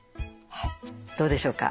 どうでしょうか。